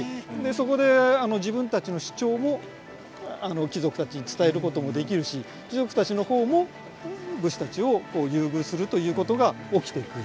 そこで自分たちの主張も貴族たちに伝えることもできるし貴族たちの方も武士たちを優遇するということが起きてくる。